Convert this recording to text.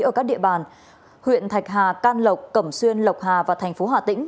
ở các địa bàn huyện thạch hà can lộc cẩm xuyên lộc hà và thành phố hà tĩnh